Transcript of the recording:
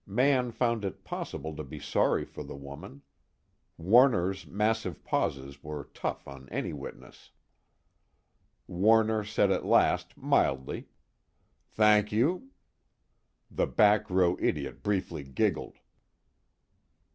Mann found it possible to be sorry for the woman. Warner's massive pauses were tough on any witness. Warner said at last, mildly: "Thank you." The back row idiot briefly giggled.